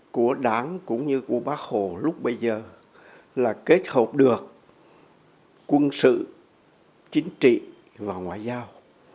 của đảng cũng như của bác hồ lúc bây giờ là kết hợp được quân sự chính trị và ngoại giao